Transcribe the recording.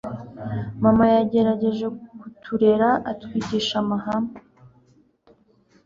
Mama yagerageje kuturera atwigisha amahame